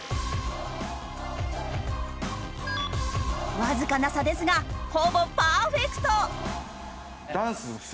わずかな差ですがほぼパーフェクト。